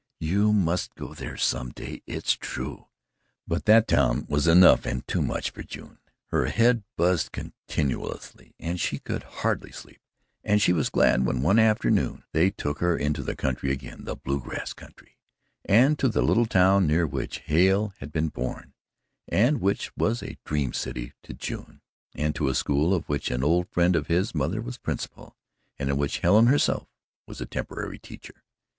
"You must go there some day. It's true." But that town was enough and too much for June. Her head buzzed continuously and she could hardly sleep, and she was glad when one afternoon they took her into the country again the Bluegrass country and to the little town near which Hale had been born, and which was a dream city to June, and to a school of which an old friend of his mother was principal, and in which Helen herself was a temporary teacher.